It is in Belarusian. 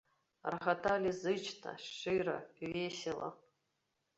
Рагаталі зычна, шчыра, весела.